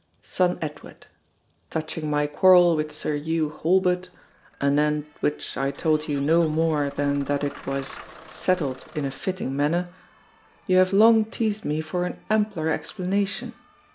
SON EDWARD,—Touching my quarrel with Sir Hew Halbert, anent which I told you no more than that it was "settled in a fitting manner," you have long teased me for an ampler explanation.